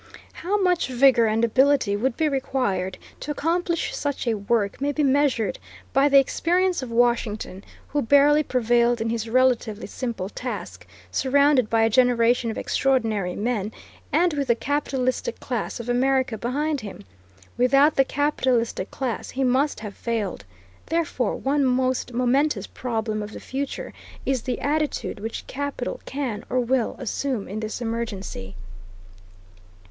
How much vigor and ability would be required to accomplish such a work may be measured by the experience of Washington, who barely prevailed in his relatively simple task, surrounded by a generation of extraordinary men, and with the capitalistic class of America behind him. Without the capitalistic class he must have failed. Therefore one most momentous problem of the future is the attitude which capital can or will assume in this emergency.